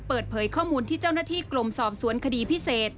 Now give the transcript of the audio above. เปิดเผยข้อมูลที่เจ้าหน้าที่กรมสอบสวนคดีพิเศษ